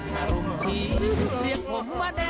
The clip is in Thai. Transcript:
แต่ว่าเราไม่เห็นเนาะเราไม่เห็นอะไรเลย